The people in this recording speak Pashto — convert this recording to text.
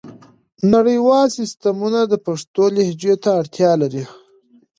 نړیوال سیسټمونه د پښتو لهجو ته اړتیا لري.